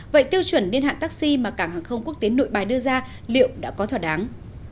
vậy tiêu chuẩn niên hạn taxi mà cảng hàng không quốc tế nội bài đưa ra liệu đã có thỏa đáng